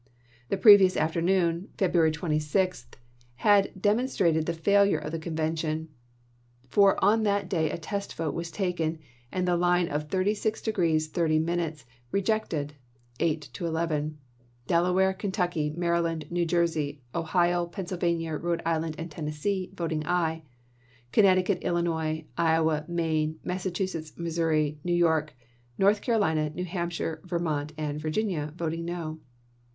The previous afternoon, February 26, had demon strated the failure of the convention; for on that day a test vote was taken and the line of 36° 30' re jected, eight to eleven — Delaware, Kentucky, Mary land, New Jersey, Ohio, Pennsylvania, Rhode Island, and Tennessee voting aye, and Connecticut, Illinois, Iowa, Maine, Massachusetts, Missouri, New York, North Carolina, New Hampshire, Vermont, and ibid.,P. «8. Virginia voting no.